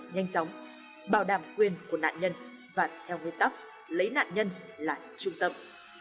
nhanh chóng bảo đảm quyền của nạn nhân và theo nguyên tắc lấy nạn nhân là trung tâm